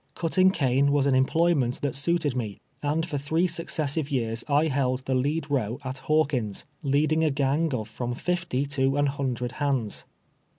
Cutting cane was an employment that suited me, and for three successive years I held the lead row at Hawkins', leading a gang of from fifty to an hundi'ed hands.